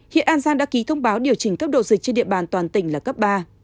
hiện an giang đã ký thông báo điều chỉnh cấp độ dịch trên địa bàn toàn tỉnh là cấp ba